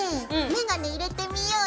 メガネ入れてみようよ！